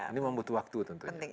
ini membutuhkan waktu tentunya